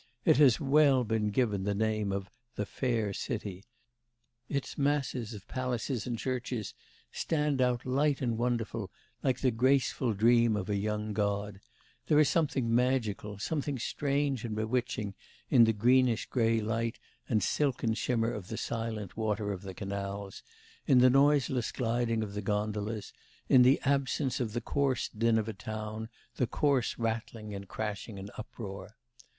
It has well been given the name of 'the fair city.' Its masses of palaces and churches stand out light and wonderful like the graceful dream of a young god; there is something magical, something strange and bewitching in the greenish grey light and silken shimmer of the silent water of the canals, in the noiseless gliding of the gondolas, in the absence of the coarse din of a town, the coarse rattling, and crashing, and uproar.